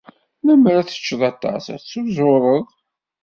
Lemmer ad tecceḍ aṭas, ad tuzureḍ.